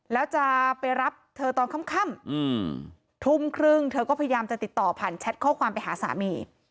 แล้วจะไปรับเธอตอนค่ำทุ่มครึ่งเธอก็พยายามจะติดต่อผ่านแชทข้อความไปหาสามี